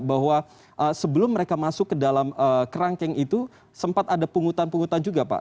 bahwa sebelum mereka masuk ke dalam kerangkeng itu sempat ada pungutan pungutan juga pak